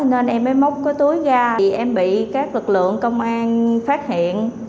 nên em mới móc túi ra em bị các lực lượng công an phát hiện